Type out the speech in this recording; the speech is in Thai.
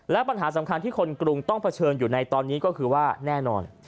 และปัญหาสำคัญที่คนกรุงต้องเผชิญอยู่ในตอนนี้ก็คือว่าแน่นอน